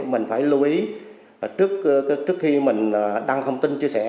mình phải lưu ý trước khi mình đăng thông tin chia sẻ